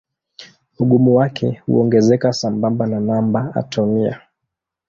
Ugumu wake huongezeka sambamba na namba atomia.